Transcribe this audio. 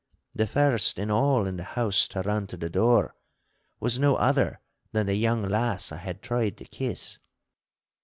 The first in all in the house to run to the door was no other than the young lass I had tried to kiss.